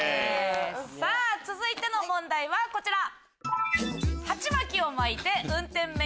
さぁ続いての問題はこちら。